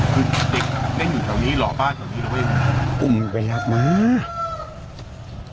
คือเด็กนั่งเผาอยู่ชัวร์เนี้ยหรือ